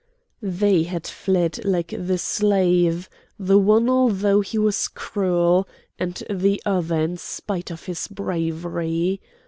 They had fled like the slave, the one although he was cruel, and the other in spite of his bravery.